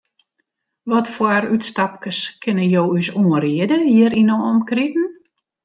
Watfoar útstapkes kinne jo ús oanriede hjir yn 'e omkriten?